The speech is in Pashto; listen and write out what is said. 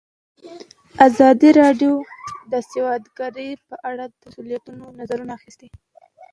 ازادي راډیو د سوداګري په اړه د مسؤلینو نظرونه اخیستي.